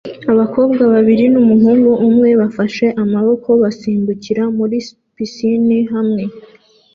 Abakobwa babiri n'umuhungu umwe bafashe amaboko basimbukira muri pisine hamwe